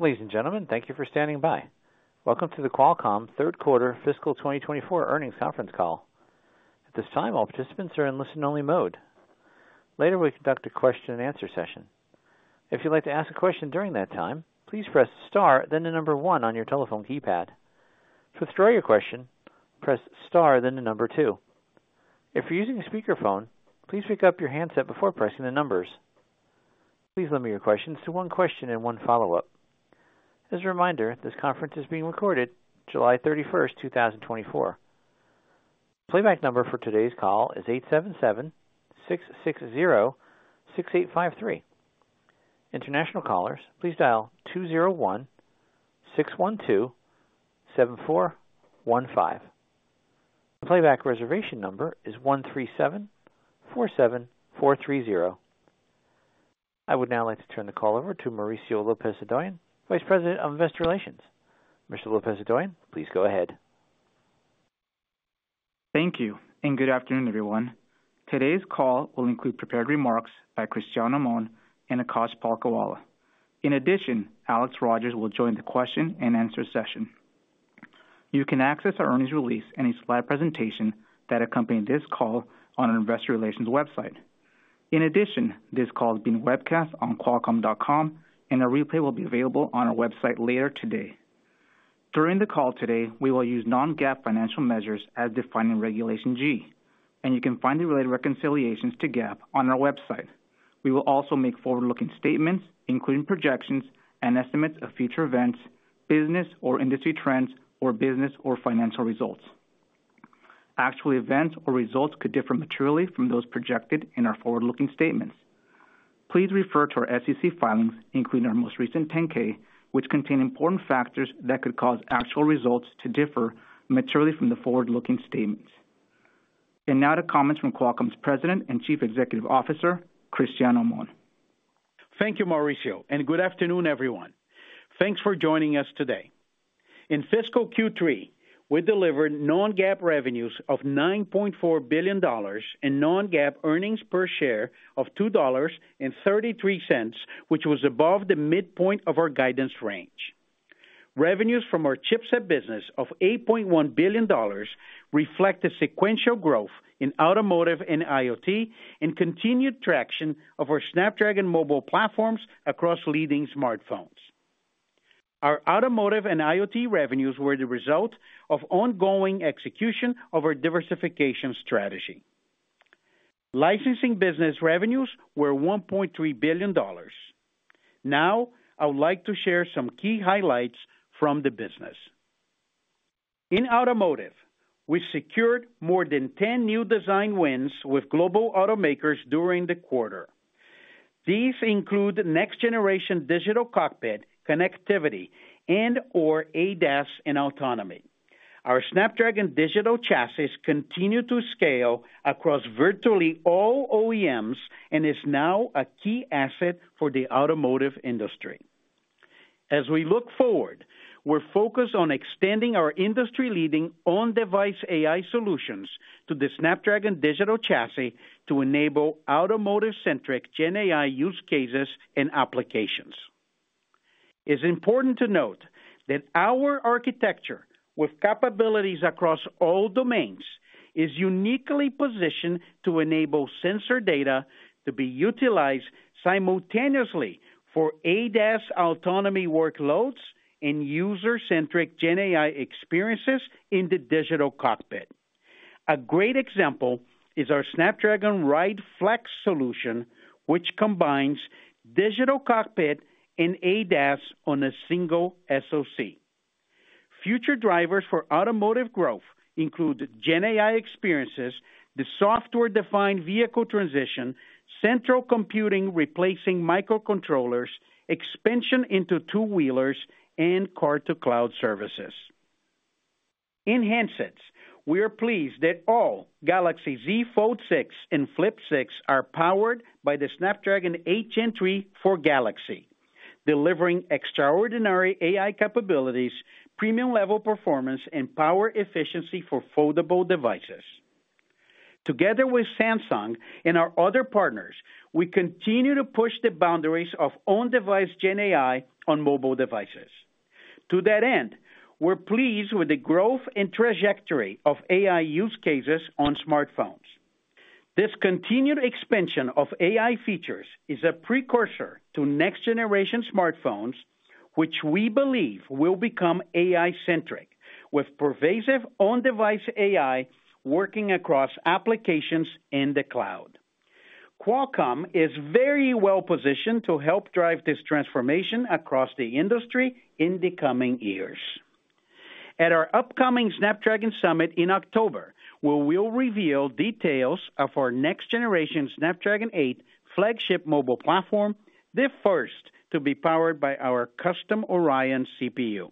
Ladies and gentlemen, thank you for standing by. Welcome to the Qualcomm Third Quarter Fiscal 2024 Earnings Conference Call. At this time, all participants are in listen-only mode. Later, we conduct a question-and-answer session. If you'd like to ask a question during that time, please press star, then the number one on your telephone keypad. To withdraw your question, press star then the number two. If you're using a speakerphone, please pick up your handset before pressing the numbers. Please limit your questions to one question and one follow-up. As a reminder, this conference is being recorded. July 31st, 2024. Playback number for today's call is 877-660-6853. International callers, please dial 201-612-7415. The playback reservation number is 13747430. I would now like to turn the call over to Mauricio Lopez-Hodoyan, Vice President of Investor Relations. Mr. Lopez-Hodoyan, please go ahead. Thank you, and good afternoon, everyone. Today's call will include prepared remarks by Cristiano Amon and Akash Palkhiwala. In addition, Alex Rogers will join the question-and-answer session. You can access our earnings release and its live presentation that accompany this call on our investor relations website. In addition, this call is being webcast on qualcomm.com, and a replay will be available on our website later today. During the call today, we will use non-GAAP financial measures as defined in Regulation G, and you can find the related reconciliations to GAAP on our website. We will also make forward-looking statements, including projections and estimates of future events, business or industry trends, or business or financial results. Actual events or results could differ materially from those projected in our forward-looking statements. Please refer to our SEC filings, including our most recent 10-K, which contain important factors that could cause actual results to differ materially from the forward-looking statements. Now to comments from Qualcomm's President and Chief Executive Officer, Cristiano Amon. Thank you, Mauricio, and good afternoon, everyone. Thanks for joining us today. In fiscal Q3, we delivered non-GAAP revenues of $9.4 billion and non-GAAP earnings per share of $2.33, which was above the midpoint of our guidance range. Revenues from our chipset business of $8.1 billion reflect the sequential growth in automotive and IoT and continued traction of our Snapdragon mobile platforms across leading smartphones. Our automotive and IoT revenues were the result of ongoing execution of our diversification strategy. Licensing business revenues were $1.3 billion. Now, I would like to share some key highlights from the business. In automotive, we secured more than 10 new design wins with global automakers during the quarter. These include next-generation digital cockpit, connectivity, and/or ADAS and autonomy. Our Snapdragon Digital Chassis continue to scale across virtually all OEMs and is now a key asset for the automotive industry. As we look forward, we're focused on extending our industry-leading on-device AI solutions to the Snapdragon Digital Chassis to enable automotive-centric Gen AI use cases and applications. It's important to note that our architecture, with capabilities across all domains, is uniquely positioned to enable sensor data to be utilized simultaneously for ADAS autonomy workloads and user-centric Gen AI experiences in the digital cockpit. A great example is our Snapdragon Ride Flex solution, which combines digital cockpit and ADAS on a single SoC. Future drivers for automotive growth include Gen AI experiences, the software-defined vehicle transition, central computing replacing microcontrollers, expansion into two-wheelers, and car-to-cloud services. In handsets, we are pleased that all Galaxy Z Fold6 and Flip6 are powered by the Snapdragon 8 Gen 3 for Galaxy, delivering extraordinary AI capabilities, premium-level performance, and power efficiency for foldable devices. Together with Samsung and our other partners, we continue to push the boundaries of on-device Gen AI on mobile devices. To that end, we're pleased with the growth and trajectory of AI use cases on smartphones. This continued expansion of AI features is a precursor to next-generation smartphones, which we believe will become AI-centric, with pervasive on-device AI working across applications in the cloud. Qualcomm is very well positioned to help drive this transformation across the industry in the coming years. At our upcoming Snapdragon Summit in October, where we'll reveal details of our next-generation Snapdragon 8 flagship mobile platform, the first to be powered by our custom Oryon CPU.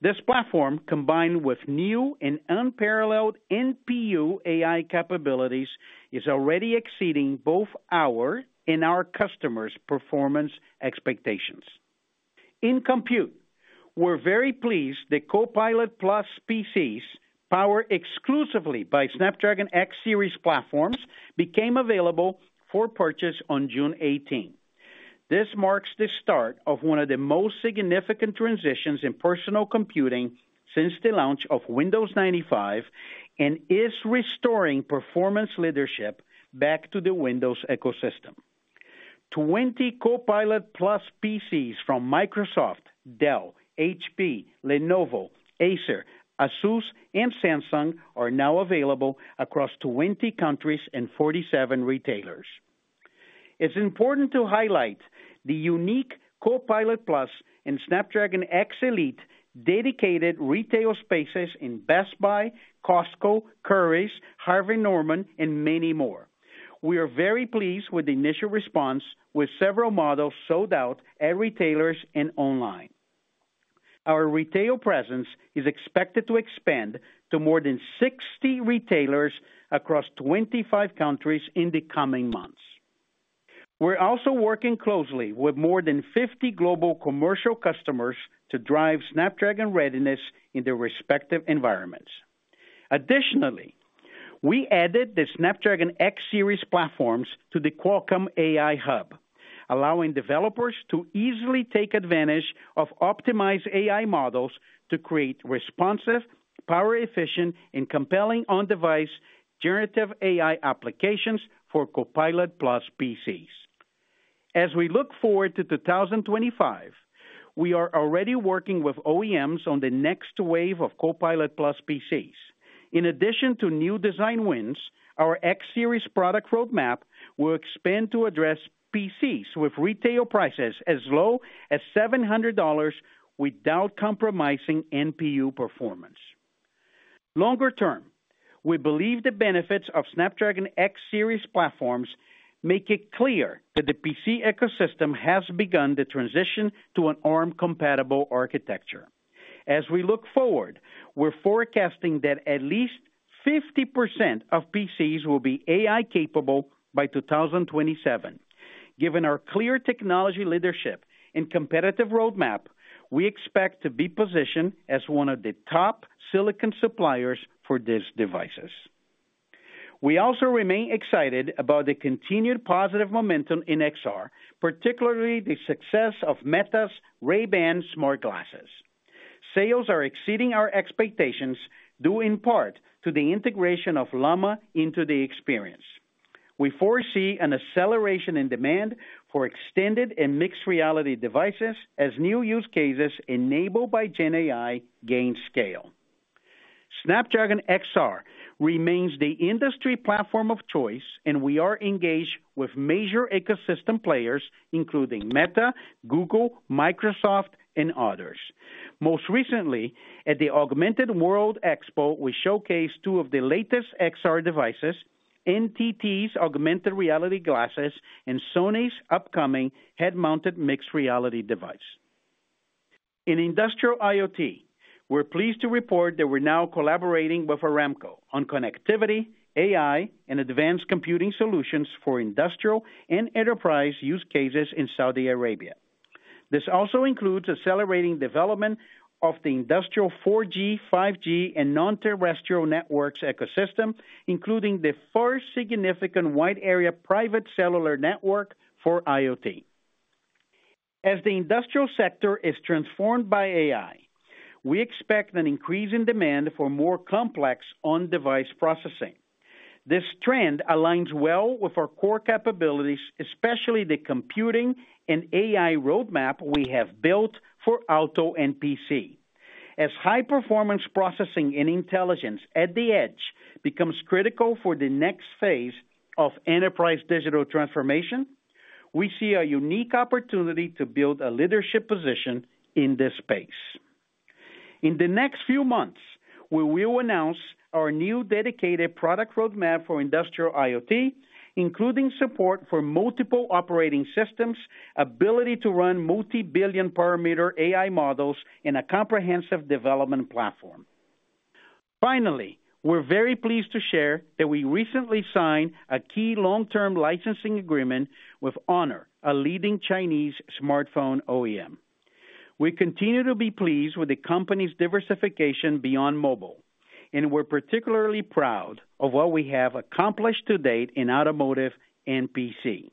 This platform, combined with new and unparalleled NPU AI capabilities, is already exceeding both our and our customers' performance expectations. We're very pleased that Copilot+ PCs, powered exclusively by Snapdragon X Series platforms, became available for purchase on June 18. This marks the start of one of the most significant transitions in personal computing since the launch of Windows 95, and is restoring performance leadership back to the Windows ecosystem. 20 Copilot+ PCs from Microsoft, Dell, HP, Lenovo, Acer, ASUS, and Samsung are now available across 20 countries and 47 retailers. It's important to highlight the unique Copilot+ and Snapdragon X Elite dedicated retail spaces in Best Buy, Costco, Currys, Harvey Norman, and many more. We are very pleased with the initial response, with several models sold out at retailers and online. Our retail presence is expected to expand to more than 60 retailers across 25 countries in the coming months. We're also working closely with more than 50 global commercial customers to drive Snapdragon readiness in their respective environments. Additionally, we added the Snapdragon X Series platforms to the Qualcomm AI Hub, allowing developers to easily take advantage of optimized AI models to create responsive, power-efficient, and compelling on-device generative AI applications for Copilot+ PCs. As we look forward to 2025, we are already working with OEMs on the next wave of Copilot+ PCs. In addition to new design wins, our X Series product roadmap will expand to address PCs, with retail prices as low as $700, without compromising NPU performance. Longer term, we believe the benefits of Snapdragon X Series platforms make it clear that the PC ecosystem has begun the transition to an ARM-compatible architecture. As we look forward, we're forecasting that at least 50% of PCs will be AI-capable by 2027. Given our clear technology leadership and competitive roadmap, we expect to be positioned as one of the top silicon suppliers for these devices. We also remain excited about the continued positive momentum in XR, particularly the success of Meta's Ray-Ban smart glasses. Sales are exceeding our expectations, due in part to the integration of Llama into the experience. We foresee an acceleration in demand for extended and mixed reality devices as new use cases enabled by GenAI gain scale. Snapdragon XR remains the industry platform of choice, and we are engaged with major ecosystem players, including Meta, Google, Microsoft, and others. Most recently, at the Augmented World Expo, we showcased two of the latest XR devices: NTT's augmented reality glasses and Sony's upcoming head-mounted mixed reality device. In industrial IoT, we're pleased to report that we're now collaborating with Aramco on connectivity, AI, and advanced computing solutions for industrial and enterprise use cases in Saudi Arabia. This also includes accelerating development of the industrial 4G, 5G, and non-terrestrial networks ecosystem, including the first significant wide-area private cellular network for IoT. As the industrial sector is transformed by AI, we expect an increase in demand for more complex on-device processing. This trend aligns well with our core capabilities, especially the computing and AI roadmap we have built for auto and PC. As high-performance processing and intelligence at the Edge becomes critical for the next phase of enterprise digital transformation, we see a unique opportunity to build a leadership position in this space. In the next few months, we will announce our new dedicated product roadmap for industrial IoT, including support for multiple operating systems, ability to run multi-billion parameter AI models, and a comprehensive development platform. Finally, we're very pleased to share that we recently signed a key long-term licensing agreement with Honor, a leading Chinese smartphone OEM. We continue to be pleased with the company's diversification beyond mobile, and we're particularly proud of what we have accomplished to date in automotive and PC.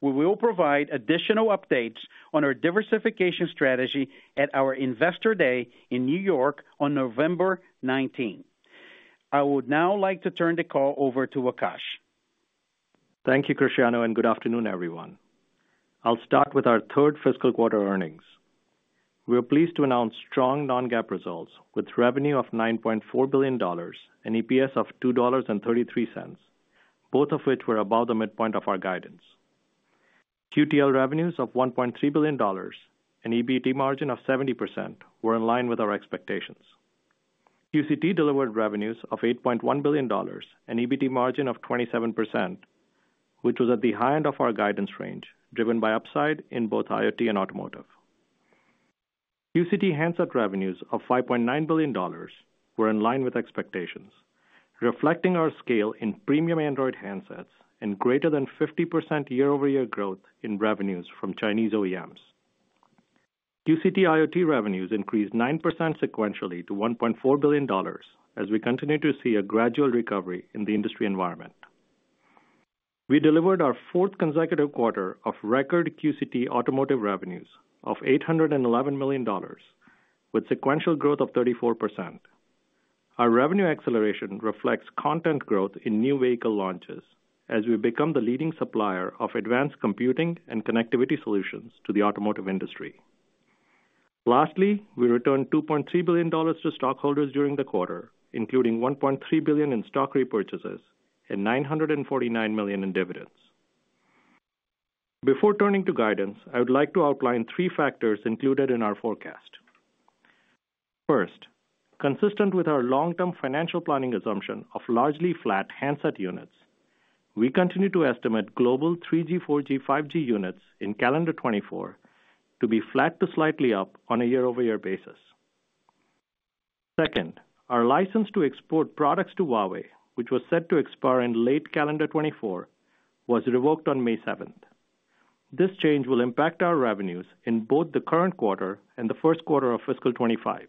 We will provide additional updates on our diversification strategy at our Investor Day in New York on November 19. I would now like to turn the call over to Akash. Thank you, Cristiano, and good afternoon, everyone. I'll start with our third fiscal quarter earnings. We are pleased to announce strong non-GAAP results, with revenue of $9.4 billion and EPS of $2.33, both of which were above the midpoint of our guidance. QTL revenues of $1.3 billion and EBT margin of 70% were in line with our expectations. QCT delivered revenues of $8.1 billion and EBT margin of 27%, which was at the high end of our guidance range, driven by upside in both IoT and automotive. QCT handset revenues of $5.9 billion were in line with expectations. eflecting our scale in premium Android handsets and greater than 50% year-over-year growth in revenues from Chinese OEMs. QCT IoT revenues increased 9% sequentially to $1.4 billion, as we continue to see a gradual recovery in the industry environment. We delivered our fourth consecutive quarter of record QCT automotive revenues of $811 million, with sequential growth of 34%. Our revenue acceleration reflects content growth in new vehicle launches as we become the leading supplier of advanced computing and connectivity solutions to the automotive industry. Lastly, we returned $2.3 billion to stockholders during the quarter, including $1.3 billion in stock repurchases and $949 million in dividends. Before turning to guidance, I would like to outline three factors included in our forecast. First, consistent with our long-term financial planning assumption of largely flat handset units, we continue to estimate global 3G, 4G, 5G units in calendar 2024 to be flat to slightly up on a year-over-year basis. Second, our license to export products to Huawei, which was set to expire in late calendar 2024, was revoked on May 7th. This change will impact our revenues in both the current quarter and the first quarter of fiscal 2025.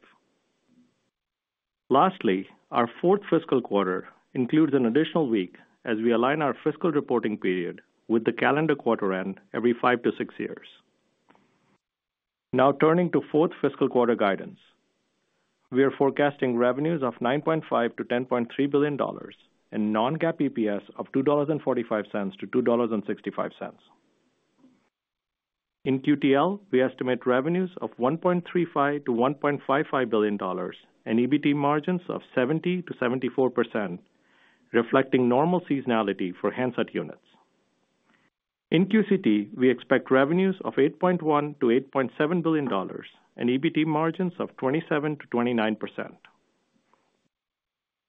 Lastly, our fourth fiscal quarter includes an additional week as we align our fiscal reporting period with the calendar quarter end every five to six years. Now turning to fourth fiscal quarter guidance. We are forecasting revenues of $9.5 billion-$10.3 billion and non-GAAP EPS of $2.45-$2.65. In QTL, we estimate revenues of $1.35 billion-$1.55 billion and EBT margins of 70%-74%, reflecting normal seasonality for handset units. In QCT, we expect revenues of $8.1 billion-$8.7 billion and EBT margins of 27%-29%.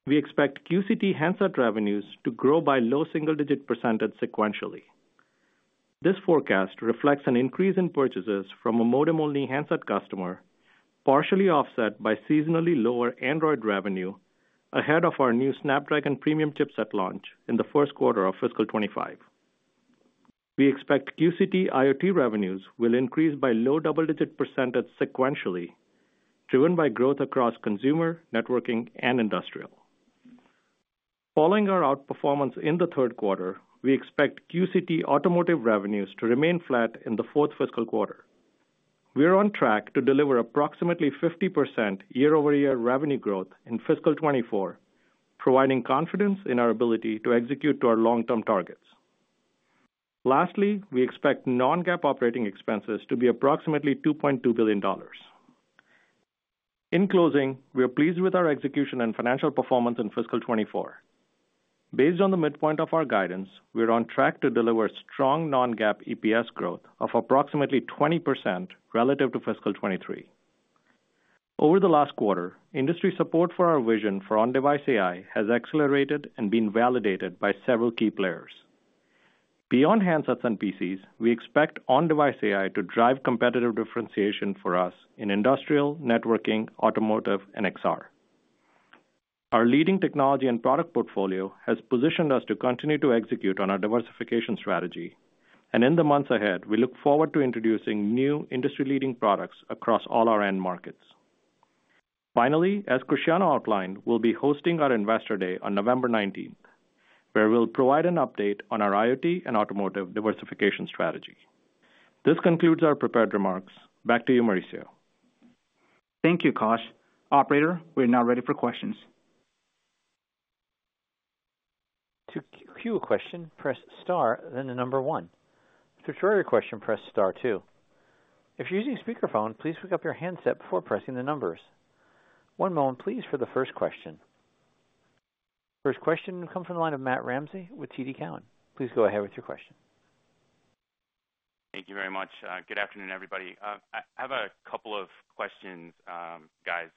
We expect QCT handset revenues to grow by low single-digit % sequentially. This forecast reflects an increase in purchases from a modem-only handset customer, partially offset by seasonally lower Android revenue ahead of our new Snapdragon premium chipset launch in the first quarter of fiscal 2025. We expect QCT IoT revenues will increase by low double-digit % sequentially, driven by growth across consumer, networking, and industrial. Following our outperformance in the third quarter, we expect QCT automotive revenues to remain flat in the fourth fiscal quarter. We are on track to deliver approximately 50% year-over-year revenue growth in fiscal 2024, providing confidence in our ability to execute to our long-term targets. Lastly, we expect non-GAAP operating expenses to be approximately $2.2 billion. In closing, we are pleased with our execution and financial performance in fiscal 2024. Based on the midpoint of our guidance, we are on track to deliver strong non-GAAP EPS growth of approximately 20% relative to fiscal 2023. Over the last quarter, industry support for our vision for on-device AI has accelerated and been validated by several key players. Beyond handsets and PCs, we expect on-device AI to drive competitive differentiation for us in industrial, networking, automotive, and XR. Our leading technology and product portfolio has positioned us to continue to execute on our diversification strategy, and in the months ahead, we look forward to introducing new industry-leading products across all our end markets. Finally, as Cristiano outlined, we'll be hosting our Investor Day on November nineteenth, where we'll provide an update on our IoT and automotive diversification strategy. This concludes our prepared remarks. Back to you, Mauricio. Thank you, Akash. Operator, we are now ready for questions. To queue a question, press star, then the number one. To withdraw your question, press star two. If you're using a speakerphone, please pick up your handset before pressing the numbers. One moment, please, for the first question. First question comes from the line of Matt Ramsay with TD Cowen. Please go ahead with your question. Thank you very much. Good afternoon, everybody. I have a couple of questions, guys,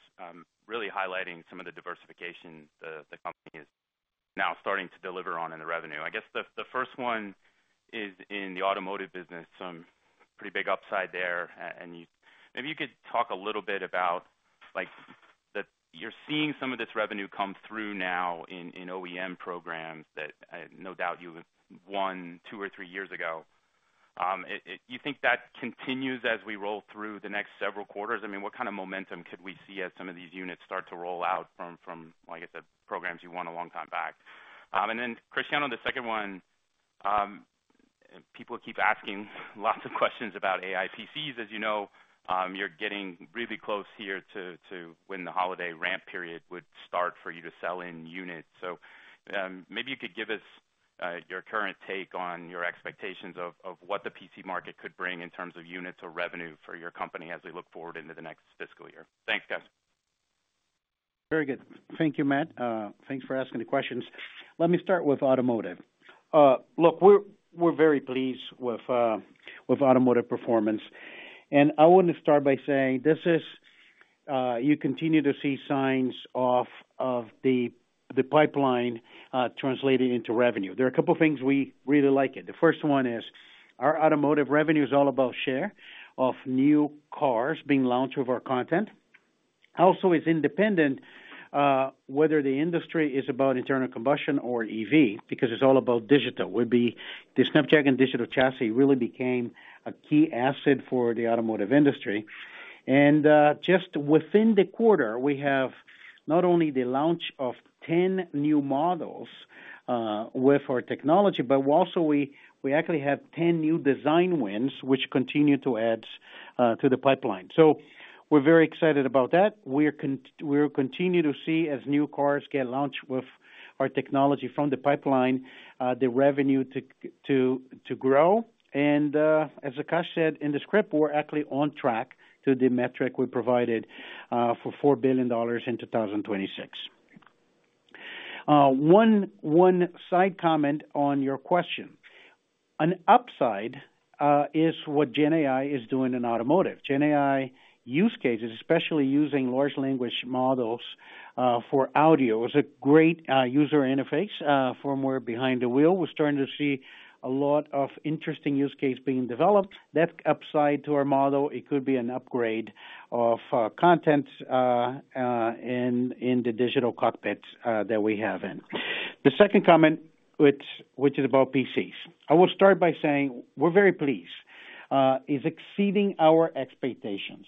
really highlighting some of the diversification the company is now starting to deliver on in the revenue. I guess the first one is in the automotive business, some pretty big upside there. And maybe you could talk a little bit about, like, that you're seeing some of this revenue come through now in OEM programs that no doubt you won two or three years ago. Do you think that continues as we roll through the next several quarters? I mean, what kind of momentum could we see as some of these units start to roll out from like the programs you won a long time back? And then Cristiano, the second one, people keep asking lots of questions about AI PCs. As you know, you're getting really close here to when the holiday ramp period would start for you to sell in units. So, maybe you could give us your current take on your expectations of what the PC market could bring in terms of units or revenue for your company as we look forward into the next fiscal year. Thanks, guys. Very good. Thank you, Matt. Thanks for asking the questions. Let me start with automotive. Look, we're very pleased with automotive performance, and I want to start by saying this is you continue to see signs of the pipeline translating into revenue. There are a couple of things we really like it. The first one is our automotive revenue is all about share of new cars being launched with our content. Also, it's independent whether the industry is about internal combustion or EV, because it's all about digital, would be the Snapdragon Digital Chassis really became a key asset for the automotive industry. And just within the quarter, we have not only the launch of 10 new models with our technology, but also we actually have 10 new design wins, which continue to add to the pipeline. So we're very excited about that. We're con- we'll continue to see as new cars get launched with our technology from the pipeline the revenue to grow. And as Akash said in the script, we're actually on track to the metric we provided for $4 billion in 2026. One side comment on your question. An upside is what Gen AI is doing in automotive. Gen AI use cases, especially using large language models, for audio, is a great user interface for more behind the wheel. We're starting to see a lot of interesting use cases being developed. That's upside to our model. It could be an upgrade of content in the digital cockpit that we have in. The second comment, which is about PCs. I will start by saying we're very pleased. It is exceeding our expectations.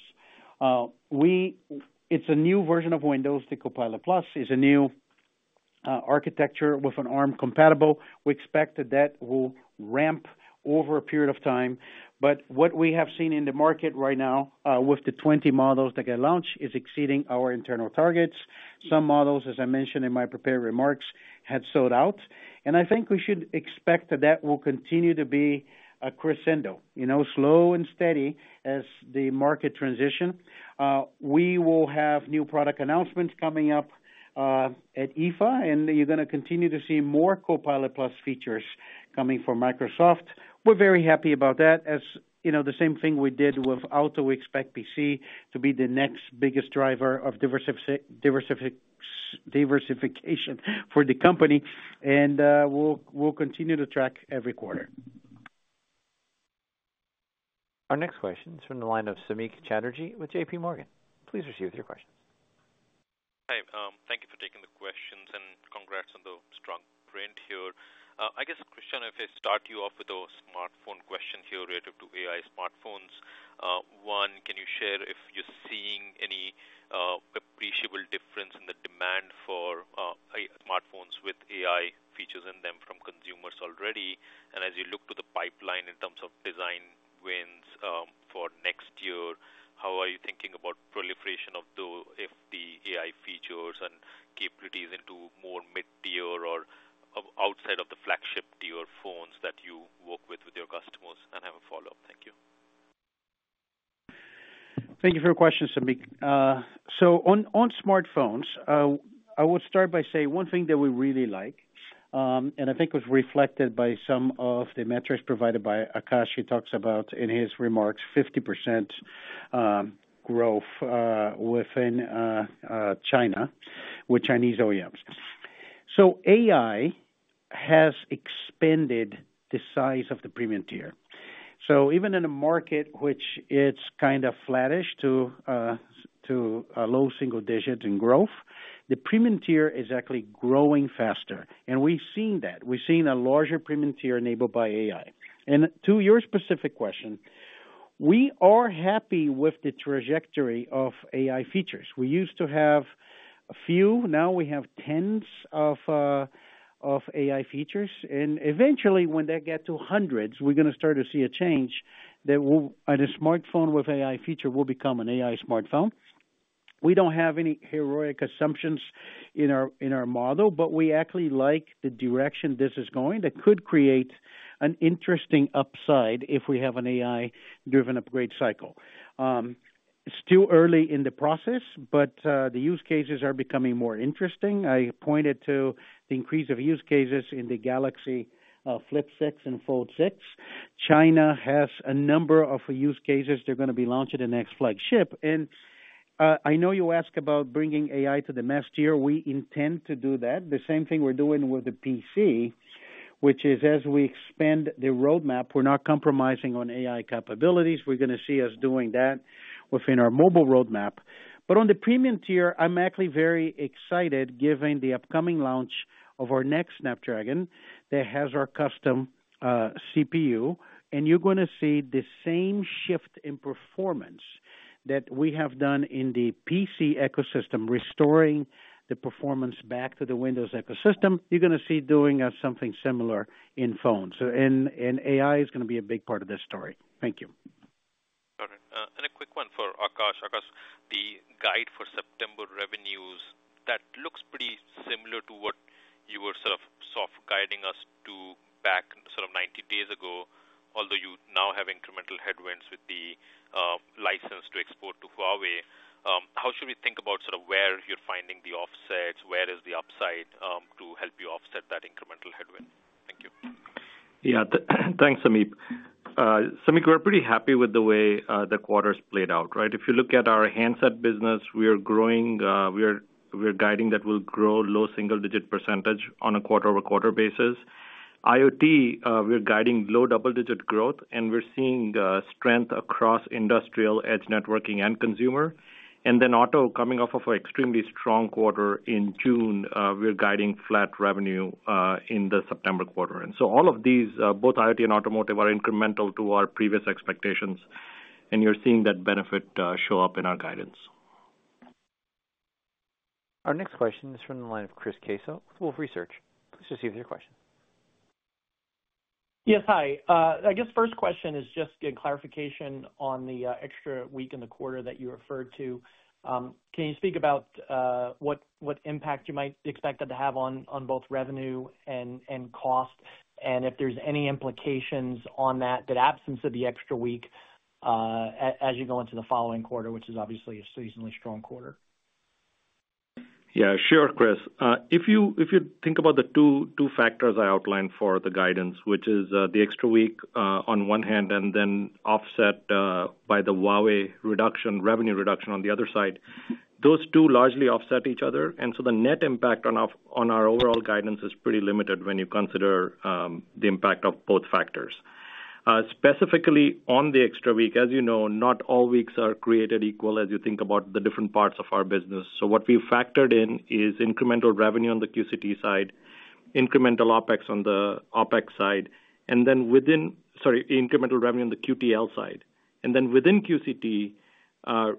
It's a new version of Windows. The Copilot+ is a new architecture with an ARM-compatible. We expect that will ramp over a period of time. But what we have seen in the market right now, with the 20 models that get launched, is exceeding our internal targets. Some models, as I mentioned in my prepared remarks, had sold out, and I think we should expect that that will continue to be a crescendo, you know, slow and steady as the market transitions. We will have new product announcements coming up, at IFA, and you're gonna continue to see more Copilot+ features coming from Microsoft. We're very happy about that. As you know, the same thing we did with Auto, we expect PC to be the next biggest driver of diversification for the company, and, we'll continue to track every quarter. Our next question is from the line of Samik Chatterjee with JPMorgan. Please receive your questions. Hi, thank you for taking the questions, and congrats on the strong print here. I guess, Cristiano, if I start you off with a smartphone question here relative to AI smartphones. One, can you share if you're seeing any appreciable difference in the demand for AI smartphones with AI features in them from consumers already? And as you look to the pipeline in terms of design wins, for next year, how are you thinking about proliferation of those, if the AI features and capabilities into more mid-tier or of outside of the flagship tier phones that you work with, with your customers? And I have a follow-up. Thank you. Thank you for your question, Samik. So on smartphones, I would start by saying one thing that we really like, and I think it was reflected by some of the metrics provided by Akash. He talks about in his remarks, 50% growth within China with Chinese OEMs. So AI has expanded the size of the premium tier. So even in a market which it's kind of flattish to low single digits in growth, the premium tier is actually growing faster. And we've seen that. We've seen a larger premium tier enabled by AI. And to your specific question, we are happy with the trajectory of AI features. We used to have a few, now we have tens of AI features, and eventually, when that get to hundreds, we're gonna start to see a change that will, and a smartphone with AI feature will become an AI smartphone. We don't have any heroic assumptions in our model, but we actually like the direction this is going. That could create an interesting upside if we have an AI-driven upgrade cycle. It's still early in the process, but the use cases are becoming more interesting. I pointed to the increase of use cases in the Galaxy Flip6 and Fold6. China has a number of use cases they're gonna be launching the next flagship. And I know you asked about bringing AI to the mass tier. We intend to do that. The same thing we're doing with the PC, which is, as we expand the roadmap, we're not compromising on AI capabilities. We're gonna see us doing that within our mobile roadmap. But on the premium tier, I'm actually very excited, given the upcoming launch of our next Snapdragon, that has our custom CPU, and you're gonna see the same shift in performance that we have done in the PC ecosystem, restoring the performance back to the Windows ecosystem. You're gonna see doing something similar in phones, so and, and AI is gonna be a big part of this story. Thank you. Got it. And a quick one for Akash. Akash, the guide for September revenues, that looks pretty similar to what you were sort of soft guiding us to back sort of 90 days ago, although you now have incremental headwinds with the license to export to Huawei. How should we think about sort of where you're finding the offsets, where is the upside, to help you offset that incremental headwind? Thank you. Yeah. Thanks, Samik. Samik, we're pretty happy with the way the quarter's played out, right? If you look at our handset business, we are growing, we are, we are guiding that will grow low single-digit % on a quarter-over-quarter basis. IoT, we're guiding low double-digit growth, and we're seeing strength across industrial edge networking and consumer. And then auto, coming off of an extremely strong quarter in June, we're guiding flat revenue in the September quarter. And so all of these, both IoT and automotive, are incremental to our previous expectations, and you're seeing that benefit show up in our guidance. Our next question is from the line of Chris Caso, Wolfe Research. Please proceed with your question. Yes, hi. I guess first question is just getting clarification on the extra week in the quarter that you referred to. Can you speak about what impact you might expect it to have on both revenue and cost, and if there's any implications on that absence of the extra week as you go into the following quarter, which is obviously a seasonally strong quarter? Yeah, sure, Chris. If you, if you think about the two, two factors I outlined for the guidance, which is, the extra week, on one hand, and then offset, by the Huawei reduction, revenue reduction on the other side, those two largely offset each other. And so the net impact on our, on our overall guidance is pretty limited when you consider, the impact of both factors. Specifically, on the extra week, as you know, not all weeks are created equal as you think about the different parts of our business. So what we've factored in is incremental revenue on the QCT side, incremental OpEx on the OpEx side, and then within—Sorry, incremental revenue on the QTL side. And then within QCT,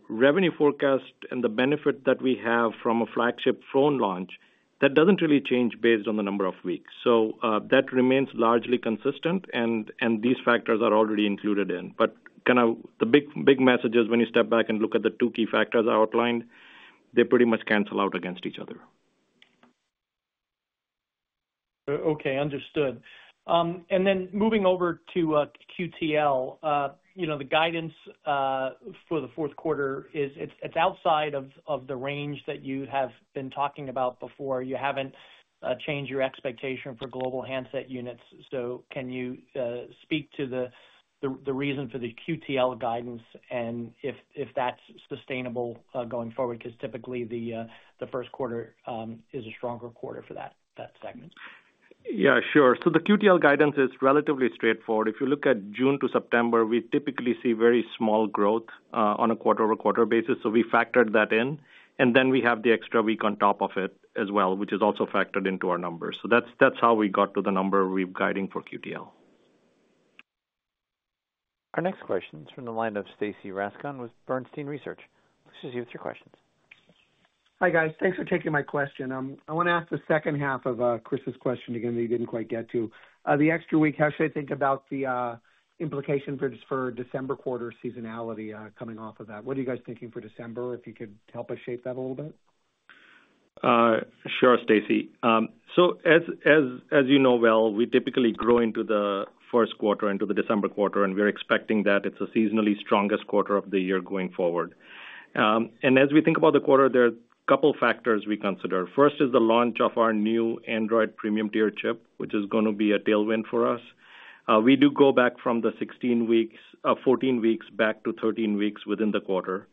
revenue forecast and the benefit that we have from a flagship phone launch, that doesn't really change based on the number of weeks, so, that remains largely consistent, and, and these factors are already included in. But kind of the big, big message is when you step back and look at the two key factors I outlined, they pretty much cancel out against each other. Okay, understood. And then moving over to QTL, you know, the guidance for the fourth quarter is it's outside of the range that you have been talking about before. You haven't changed your expectation for global handset units. So can you speak to the reason for the QTL guidance and if that's sustainable going forward? Because typically, the first quarter is a stronger quarter for that segment. Yeah, sure. So the QTL guidance is relatively straightforward. If you look at June to September, we typically see very small growth on a quarter-over-quarter basis, so we factored that in, and then we have the extra week on top of it as well, which is also factored into our numbers. So that's, that's how we got to the number we're guiding for QTL. Our next question is from the line of Stacy Rasgon with Bernstein Research. Stacy, with your questions. Hi, guys. Thanks for taking my question. I wanna ask the second half of Chris's question again, that he didn't quite get to. The extra week, how should I think about the implication for December quarter seasonality, coming off of that? What are you guys thinking for December, if you could help us shape that a little bit? Sure, Stacy. So as you know well, we typically grow into the first quarter, into the December quarter, and we're expecting that it's a seasonally strongest quarter of the year going forward. And as we think about the quarter, there are a couple factors we consider. First is the launch of our new Android premium tier chip, which is gonna be a tailwind for us. We do go back from the 16 weeks, 14 weeks back to 13 weeks within the quarter.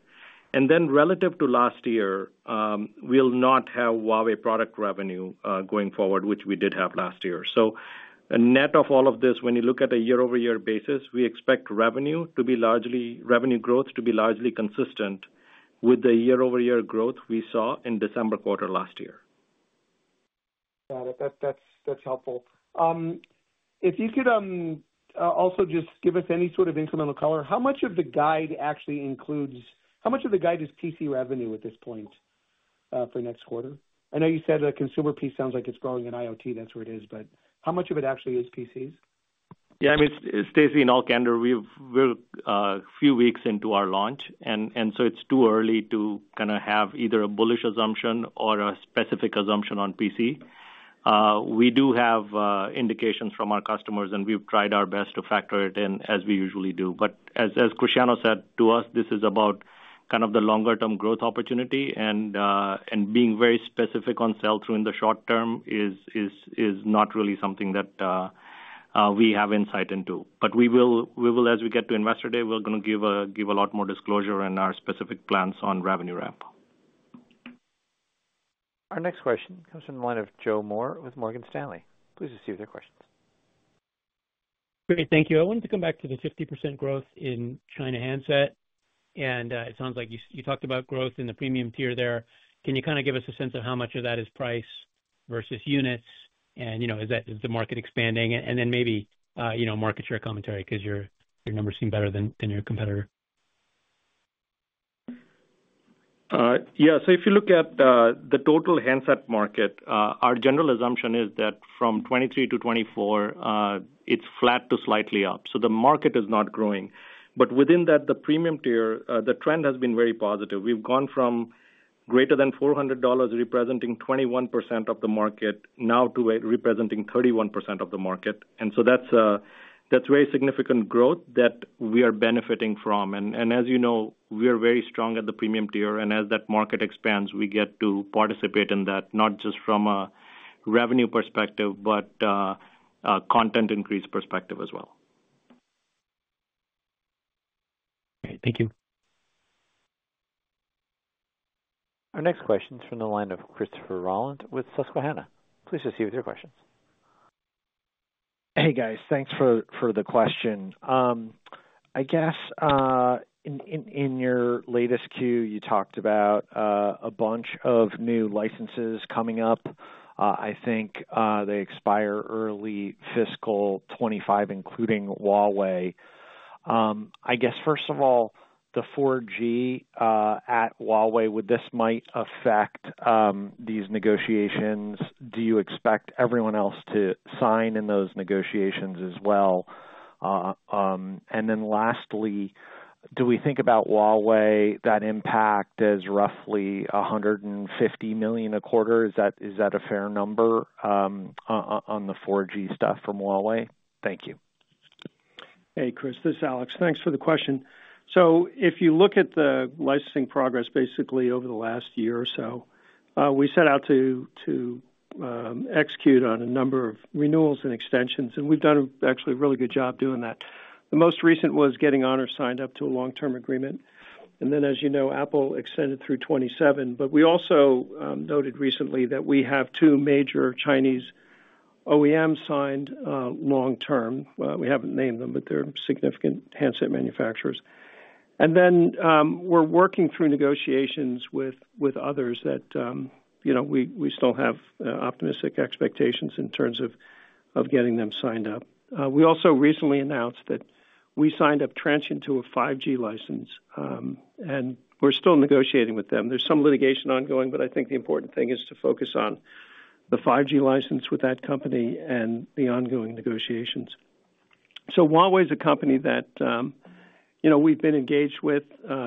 And then relative to last year, we'll not have Huawei product revenue, going forward, which we did have last year. So a net of all of this, when you look at a year-over-year basis, we expect revenue to be largely, revenue growth to be largely consistent with the year-over-year growth we saw in December quarter last year. Got it. That's helpful. If you could also just give us any sort of incremental color, how much of the guide actually includes—how much of the guide is PC revenue at this point, for next quarter? I know you said the consumer piece sounds like it's growing in IoT, that's where it is, but how much of it actually is PCs? Yeah, I mean, Stacy, in all candor, we've, we're a few weeks into our launch, and so it's too early to kind of have either a bullish assumption or a specific assumption on PC. We do have indications from our customers, and we've tried our best to factor it in as we usually do. But as Cristiano said to us, this is about kind of the longer term growth opportunity and being very specific on sell-through in the short term is not really something that we have insight into. But we will, as we get to Investor Day, we're gonna give a lot more disclosure on our specific plans on revenue ramp. Our next question comes from the line of Joe Moore with Morgan Stanley. Please proceed with your questions. Great, thank you. I wanted to come back to the 50% growth in China handset, and it sounds like you talked about growth in the premium tier there. Can you kind of give us a sense of how much of that is price versus units? And, you know, is that, is the market expanding? And then maybe, you know, market share commentary, 'cause your numbers seem better than your competitor. Yeah. So if you look at the total handset market, our general assumption is that from 2023 to 2024, it's flat to slightly up. So the market is not growing. But within that, the premium tier, the trend has been very positive. We've gone from greater than $400, representing 21% of the market, now to representing 31% of the market. And so that's very significant growth that we are benefiting from. And as you know, we are very strong at the premium tier, and as that market expands, we get to participate in that, not just from a revenue perspective, but a content increase perspective as well. Great. Thank you. Our next question is from the line of Christopher Rolland with Susquehanna. Please proceed with your questions. Hey, guys. Thanks for the question. I guess, in your latest queue, you talked about a bunch of new licenses coming up. I think they expire early fiscal 2025, including Huawei. I guess, first of all, the 4G at Huawei, would this might affect these negotiations? Do you expect everyone else to sign in those negotiations as well? And then lastly, do we think about Huawei, that impact as roughly $150 million a quarter? Is that a fair number, on the 4G stuff from Huawei? Thank you. Hey, Chris. This is Alex. Thanks for the question. So if you look at the licensing progress, basically over the last year or so, we set out to execute on a number of renewals and extensions, and we've done actually a really good job doing that. The most recent was getting Honor signed up to a long-term agreement, and then, as you know, Apple extended through 2027. But we also noted recently that we have two major Chinese OEMs signed long term. We haven't named them, but they're significant handset manufacturers. And then, we're working through negotiations with others that, you know, we still have optimistic expectations in terms of getting them signed up. We also recently announced that we signed up Transsion to a 5G license, and we're still negotiating with them. There's some litigation ongoing, but I think the important thing is to focus on the 5G license with that company and the ongoing negotiations. So Huawei is a company that, you know, we've been engaged with,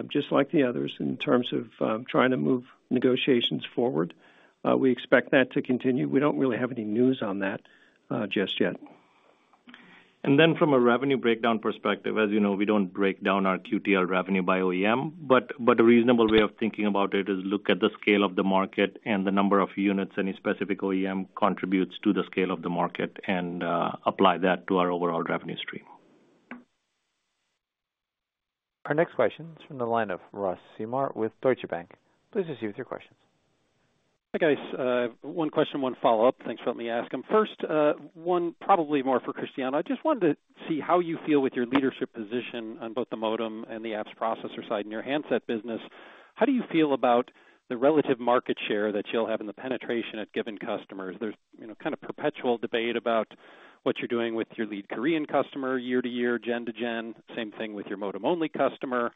just like the others in terms of, trying to move negotiations forward. We expect that to continue. We don't really have any news on that, just yet. Then from a revenue breakdown perspective, as you know, we don't break down our QTL revenue by OEM, but a reasonable way of thinking about it is look at the scale of the market and the number of units any specific OEM contributes to the scale of the market, and apply that to our overall revenue stream. Our next question is from the line of Ross Seymore with Deutsche Bank. Please proceed with your questions. Hi, guys. One question, one follow-up. Thanks for let me ask them. First, one probably more for Cristiano. I just wanted to see how you feel with your leadership position on both the modem and the apps processor side in your handset business. How do you feel about the relative market share that you'll have in the penetration at given customers? There's, you know, kind of perpetual debate about what you're doing with your lead Korean customer year to year, gen to gen. Same thing with your modem-only customer.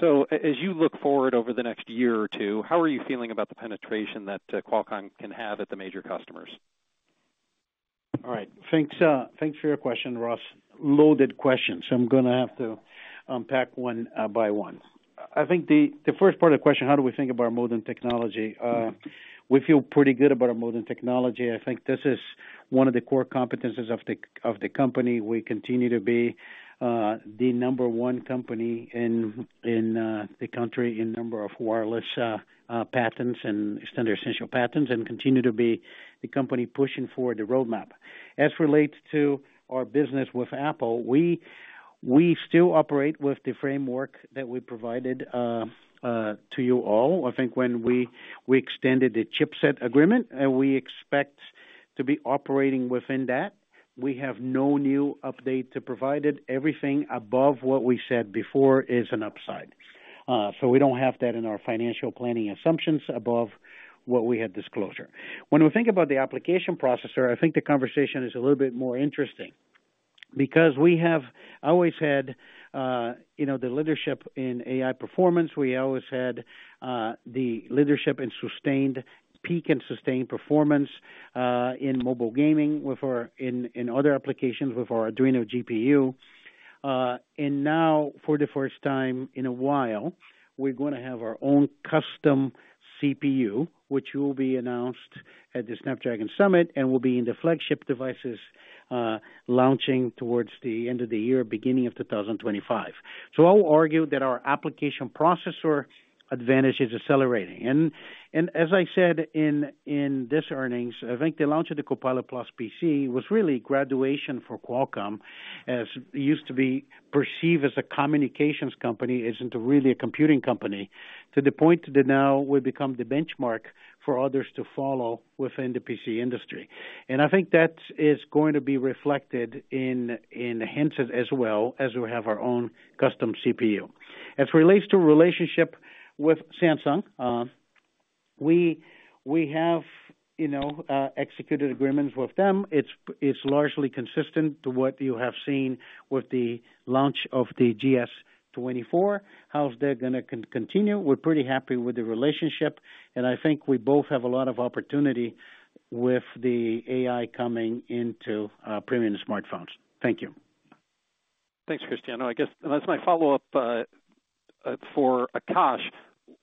So as you look forward over the next year or two, how are you feeling about the penetration that Qualcomm can have at the major customers? All right. Thanks, thanks for your question, Ross. Loaded question, so I'm gonna have to unpack one by one. I think the first part of the question, how do we think about our modem technology? We feel pretty good about our modem technology. I think this is one of the core competencies of the company. We continue to be the number one company in the country in number of wireless patents and standard essential patents, and continue to be the company pushing forward the roadmap. As relates to our business with Apple, we still operate with the framework that we provided to you all, I think, when we extended the chipset agreement, and we expect to be operating within that. We have no new update to provide. Everything above what we said before is an upside. So we don't have that in our financial planning assumptions above what we had disclosure. When we think about the application processor, I think the conversation is a little bit more interesting because we have always had, you know, the leadership in AI performance. We always had the leadership in sustained peak and sustained performance in mobile gaming with our Adreno GPU in other applications. And now, for the first time in a while, we're gonna have our own custom CPU, which will be announced at the Snapdragon Summit and will be in the flagship devices launching towards the end of the year, beginning of 2025. So I will argue that our application processor advantage is accelerating. As I said in this earnings, I think the launch of the Copilot+ PC was really graduation for Qualcomm, as it used to be perceived as a communications company, isn't really a computing company, to the point that now we become the benchmark for others to follow within the PC industry. I think that is going to be reflected in handset as well, as we have our own custom CPU. As it relates to relationship with Samsung, we have, you know, executed agreements with them. It's largely consistent to what you have seen with the launch of the GS24, how they're gonna continue. We're pretty happy with the relationship, and I think we both have a lot of opportunity with the AI coming into premium smartphones. Thank you. Thanks, Cristiano. I guess that's my follow-up for Akash.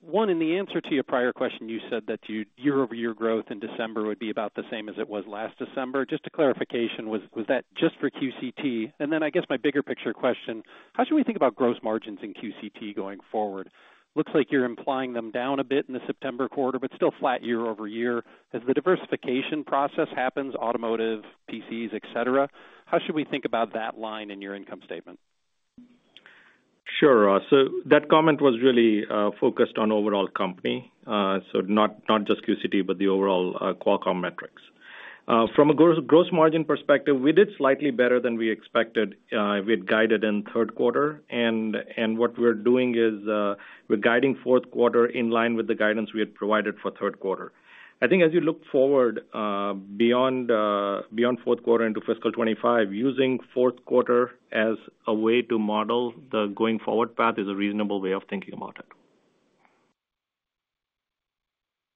One, in the answer to your prior question, you said that your year-over-year growth in December would be about the same as it was last December. Just a clarification, was that just for QCT? And then I guess my bigger picture question: How should we think about gross margins in QCT going forward? Looks like you're implying them down a bit in the September quarter, but still flat year over year. As the diversification process happens, automotive, PCs, et cetera, how should we think about that line in your income statement? Sure. So that comment was really focused on overall company. So not, not just QCT, but the overall Qualcomm metrics. From a gross, gross margin perspective, we did slightly better than we expected, we had guided in third quarter, and, and what we're doing is, we're guiding fourth quarter in line with the guidance we had provided for third quarter. I think as you look forward, beyond, beyond fourth quarter into fiscal 25, using fourth quarter as a way to model the going forward path is a reasonable way of thinking about it.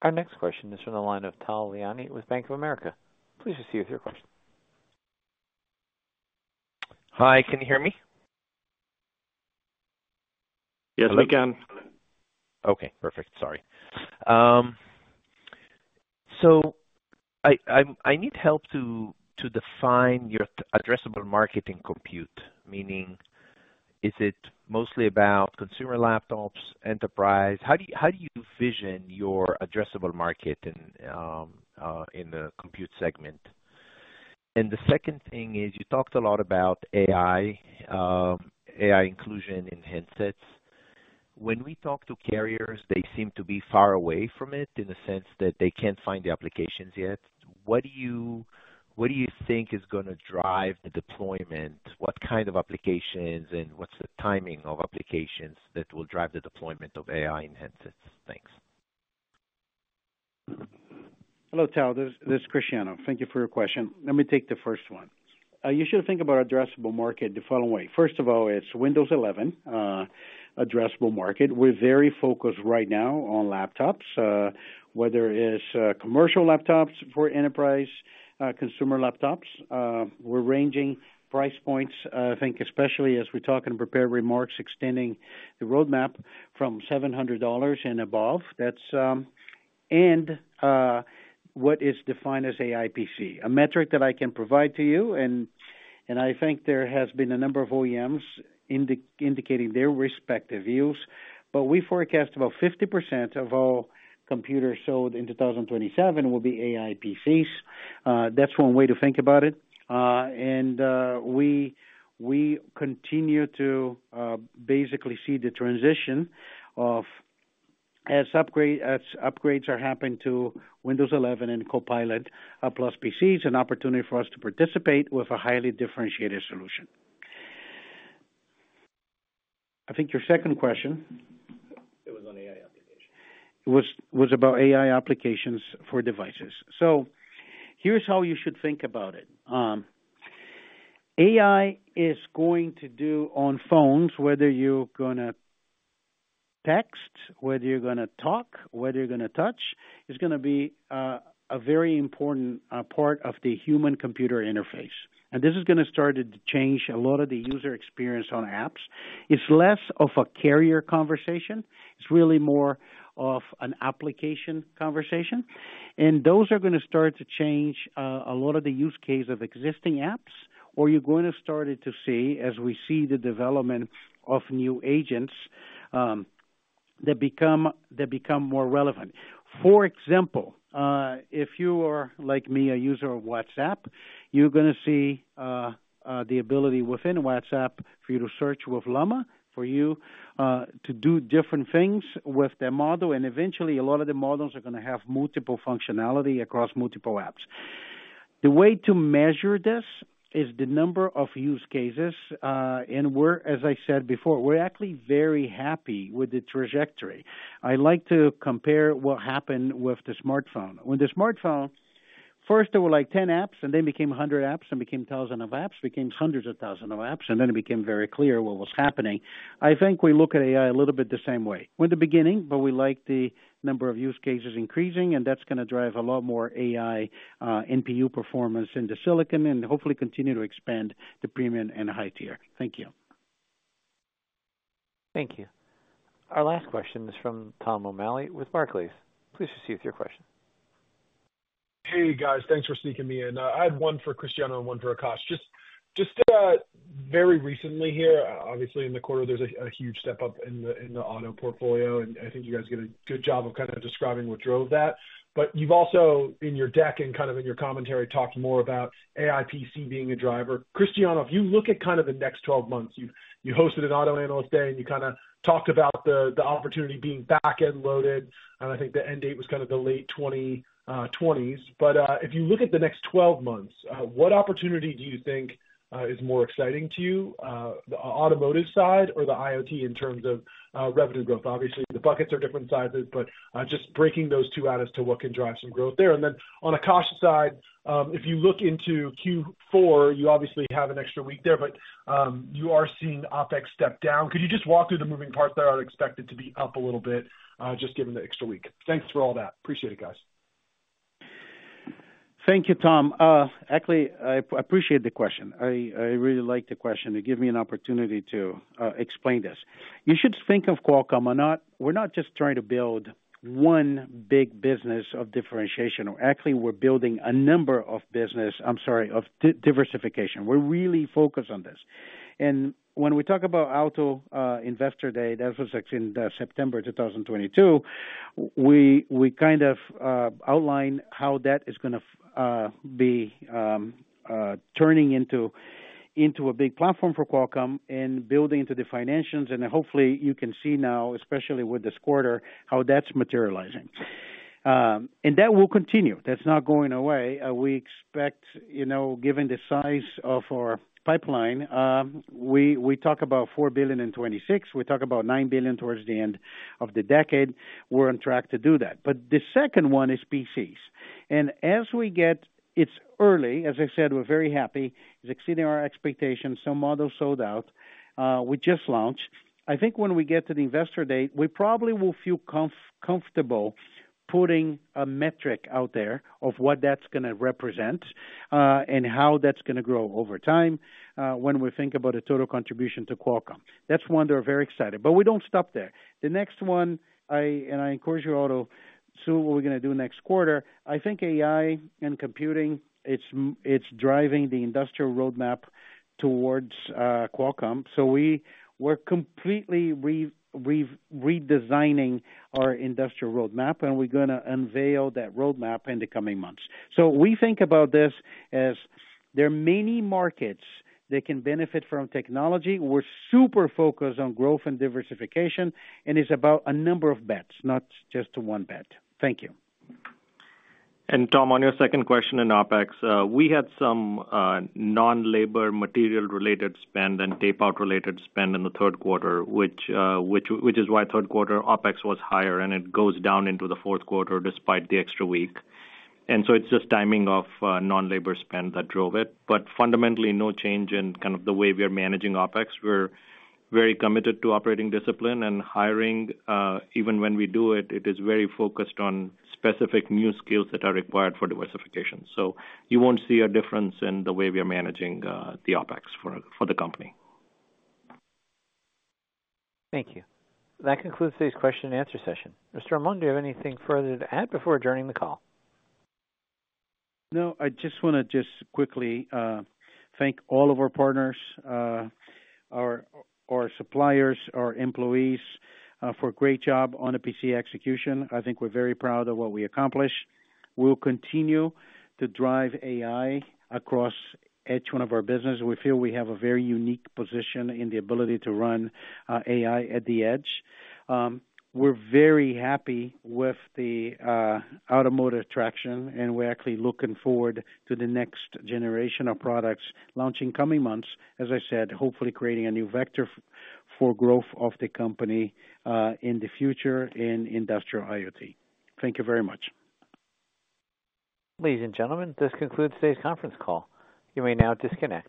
Our next question is from the line of Tal Liani with Bank of America. Please proceed with your question. Hi, can you hear me? Yes, we can. Okay, perfect. Sorry. So I need help to define your addressable market in compute, meaning is it mostly about consumer laptops, enterprise? How do you envision your addressable market in the compute segment? And the second thing is, you talked a lot about AI, AI inclusion in handsets. When we talk to carriers, they seem to be far away from it, in the sense that they can't find the applications yet. What do you think is gonna drive the deployment? What kind of applications, and what's the timing of applications that will drive the deployment of AI in handsets? Thanks. Hello, Tal, this is Cristiano. Thank you for your question. Let me take the first one. You should think about addressable market the following way. First of all, it's Windows 11 addressable market. We're very focused right now on laptops, whether it is commercial laptops for enterprise, consumer laptops, we're ranging price points. I think especially as we talk and prepare remarks, extending the roadmap from $700 and above. That's what is defined as AI PC. A metric that I can provide to you, and I think there has been a number of OEMs indicating their respective views, but we forecast about 50% of all computers sold in 2027 will be AI PCs. That's one way to think about it. We continue to basically see the transition as upgrades are happening to Windows 11 and Copilot+ PCs, an opportunity for us to participate with a highly differentiated solution. I think your second question- It was on AI application. Was about AI applications for devices. So here's how you should think about it. AI is going to do on phones, whether you're gonna text, whether you're gonna talk, whether you're gonna touch, is gonna be a very important part of the human-computer interface. And this is gonna start to change a lot of the user experience on apps. It's less of a carrier conversation, it's really more of an application conversation. And those are gonna start to change a lot of the use case of existing apps, or you're gonna started to see, as we see the development of new agents, that become more relevant. For example, if you are like me, a user of WhatsApp, you're gonna see the ability within WhatsApp for you to search with Llama, for you to do different things with the model, and eventually a lot of the models are gonna have multiple functionality across multiple apps. The way to measure this is the number of use cases, and we're as I said before, we're actually very happy with the trajectory. I like to compare what happened with the smartphone. With the smartphone, first there were, like, 10 apps, and then became 100 apps, and became thousands of apps, became hundreds of thousands of apps, and then it became very clear what was happening. I think we look at AI a little bit the same way. We're the beginning, but we like the number of use cases increasing, and that's gonna drive a lot more AI, NPU performance into silicon and hopefully continue to expand the premium and high tier. Thank you. Thank you. Our last question is from Tom O'Malley with Barclays. Please proceed with your question. Hey, guys. Thanks for sneaking me in. I had one for Cristiano and one for Akash. Just very recently here, obviously in the quarter, there's a huge step up in the auto portfolio, and I think you guys did a good job of kind of describing what drove that. But you've also, in your deck and kind of in your commentary, talked more about AI PC being a driver. Cristiano, if you look at kind of the next 12 months, you hosted an auto analyst day, and you kinda talked about the opportunity being back-end loaded, and I think the end date was kind of the late twenties. But, if you look at the next twelve months, what opportunity do you think, is more exciting to you, the automotive side or the IoT in terms of, revenue growth? Obviously, the buckets are different sizes, but, just breaking those two out as to what can drive some growth there. And then on Akash's side, if you look into Q4, you obviously have an extra week there, but, you are seeing OpEx step down. Could you just walk through the moving parts there are expected to be up a little bit, just given the extra week? Thanks for all that. Appreciate it, guys. Thank you, Tom. Actually, I appreciate the question. I really like the question. It gives me an opportunity to explain this. You should think of Qualcomm. We're not just trying to build one big business of differentiation, or actually, we're building a number of businesses of diversification. We're really focused on this. And when we talk about auto Investor Day, that was actually in September 2022. We kind of outlined how that is gonna be turning into a big platform for Qualcomm and building into the financials. And hopefully, you can see now, especially with this quarter, how that's materializing. And that will continue. That's not going away. We expect, you know, given the size of our pipeline, we talk about $4 billion in 2026. We talk about $9 billion towards the end of the decade. We're on track to do that. But the second one is PCs, and as we get. It's early, as I said, we're very happy. It's exceeding our expectations. Some models sold out, we just launched. I think when we get to the Investor Day, we probably will feel comfortable putting a metric out there of what that's gonna represent, and how that's gonna grow over time, when we think about the total contribution to Qualcomm. That's one that we're very excited, but we don't stop there. The next one, and I encourage you all to see what we're gonna do next quarter. I think AI and computing, it's driving the industrial roadmap towards Qualcomm. So we're completely redesigning our industrial roadmap, and we're gonna unveil that roadmap in the coming months. So we think about this as, there are many markets that can benefit from technology. We're super focused on growth and diversification, and it's about a number of bets, not just one bet. Thank you. And Tom, on your second question in OpEx, we had some non-labor material related spend and tape-out related spend in the third quarter, which is why third quarter OpEx was higher and it goes down into the fourth quarter despite the extra week. And so it's just timing of non-labor spend that drove it, but fundamentally, no change in kind of the way we are managing OpEx. We're very committed to operating discipline and hiring, even when we do it, it is very focused on specific new skills that are required for diversification. So you won't see a difference in the way we are managing the OpEx for the company. Thank you. That concludes today's question and answer session. Mr. Amon, do you have anything further to add before adjourning the call? No, I just wanna just quickly thank all of our partners, our suppliers, our employees, for a great job on the PC execution. I think we're very proud of what we accomplished. We'll continue to drive AI across each one of our businesses. We feel we have a very unique position in the ability to run AI at the edge. We're very happy with the automotive traction, and we're actually looking forward to the next generation of products launching coming months. As I said, hopefully creating a new vector for growth of the company in the future in industrial IoT. Thank you very much. Ladies and gentlemen, this concludes today's conference call. You may now disconnect.